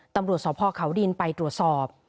ตำรวจสพเขาดินไปตรวจสอบ